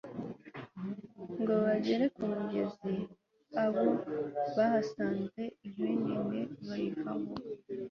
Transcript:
ngo bagere ku mugezi, abo bahasanze inkwenene bayivaho